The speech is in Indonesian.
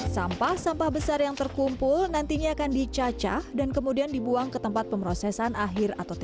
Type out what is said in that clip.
sampah sampah besar yang terkumpul nantinya akan dicacah dan kemudian dibuang ke tempat pemrosesan akhir atau tiga